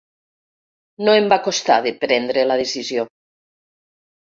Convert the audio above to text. No em va costar de prendre la decisió.